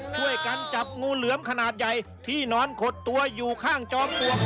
ช่วยกันจับงูเหลือมขนาดใหญ่ที่นอนขดตัวอยู่ข้างจอมปลวก